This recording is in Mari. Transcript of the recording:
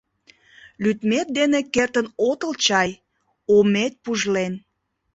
— Лӱдмет дене кертын отыл чай, омет пужлен.